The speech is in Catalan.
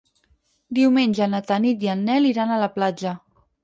Diumenge na Tanit i en Nel iran a la platja.